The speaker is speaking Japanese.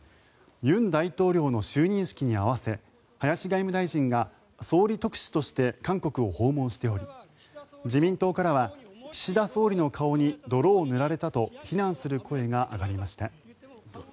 尹大統領の就任式に合わせ林外務大臣が総理特使として韓国を訪問しており自民党からは岸田総理の顔に泥を塗られたと非難する声が上がりました。